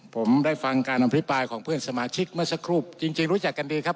ผมได้ฟังการอภิปรายของเพื่อนสมาชิกเมื่อสักครู่จริงรู้จักกันดีครับ